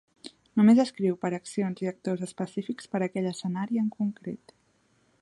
Només escriu per a accions i actors específics per a aquell escenari en concret.